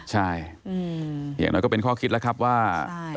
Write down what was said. ใช่อย่างน้อยก็เป็นข้อคิดแล้วครับว่า